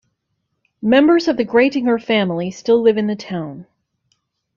Members of the Graettinger family still live in the town.